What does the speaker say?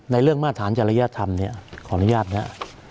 ในเรื่องมาตรฐานจริยธรรมของรัฐนี้